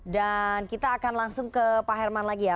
dan kita akan langsung ke pak herman lagi ya